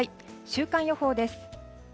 週間予報です。